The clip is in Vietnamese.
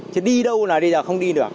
chứ đi đâu là đi là không đi được